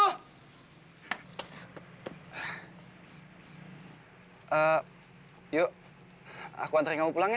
eh ayu aku anterin kamu pulang ya